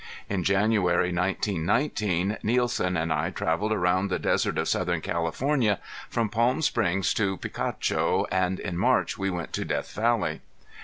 In January 1919 Nielsen and I traveled around the desert of southern California from Palm Springs to Picacho, and in March we went to Death Valley.